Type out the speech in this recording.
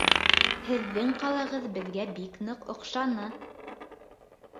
Һеҙҙең ҡалағыҙ беҙгә бик ныҡ оҡшаны.